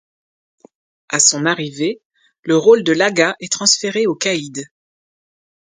À son arrivée, le rôle de l'agha est transféré au caïd.